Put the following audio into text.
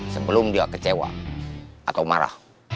sebelum dia kecewa atau marah